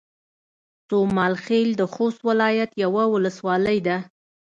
سومال خيل د خوست ولايت يوه ولسوالۍ ده